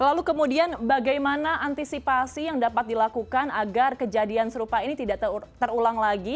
lalu kemudian bagaimana antisipasi yang dapat dilakukan agar kejadian serupa ini tidak terulang lagi